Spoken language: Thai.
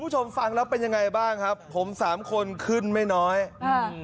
ฟังแล้วเป็นยังไงบ้างครับผมสามคนขึ้นไม่น้อยอ่า